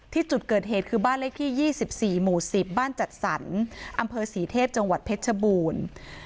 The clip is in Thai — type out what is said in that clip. ที่จุดเกิดเหตุคือบ้านเลขที่๒๔หมู่๑๐บ้านจัดสรรอำเภอศรีเทพจังหวัดเพชรชบูรณ์